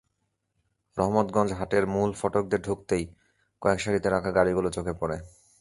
রহমতগঞ্জ হাটের মূল ফটক দিয়ে ঢুকতেই কয়েক সারিতে রাখা গাড়িগুলো চোখে পড়ে।